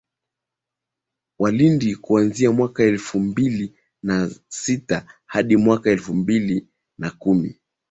wa Lindi kuanzia mwaka elfu mbili na sita hadi mwaka elfu mbili na kumi